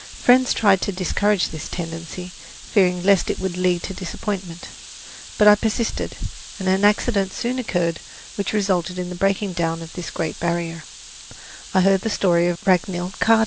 Friends tried to discourage this tendency, fearing lest it would lead to disappointment. But I persisted, and an accident soon occurred which resulted in the breaking down of this great barrier I heard the story of Ragnhild Kaata.